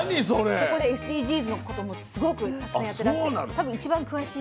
そこでＳＤＧｓのこともすごくたくさんやってらして多分一番詳しい。